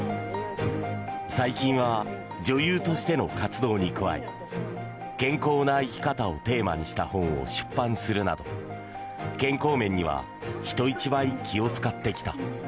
最近は女優としての活動に加え健康な生き方をテーマにした本を出版するなど健康面には人一倍気を使ってきた。